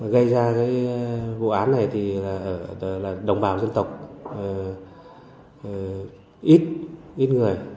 gây ra cái vụ án này thì là đồng bào dân tộc ít người